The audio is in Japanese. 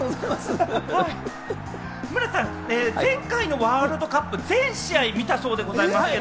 村瀬さん、前回のワールドカップ、全試合見たそうでございますけど？